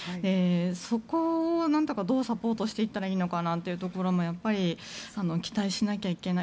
そこをなんとかどうサポートしていったらいいのかなというところもやっぱり期待しなければいけない。